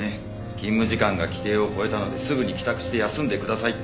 勤務時間が規定を超えたのですぐに帰宅して休んでくださいって。